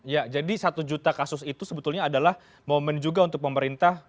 ya jadi satu juta kasus itu sebetulnya adalah momen juga untuk pemerintah